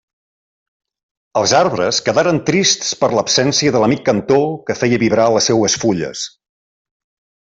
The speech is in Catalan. Els arbres quedaren trists per l'absència de l'amic cantor que feia vibrar les seues fulles.